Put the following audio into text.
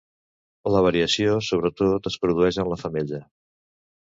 La variació sobretot es produeix en la femella.